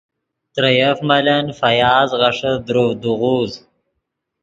ترے یف ملن فیاض غیݰے دروڤدے غوز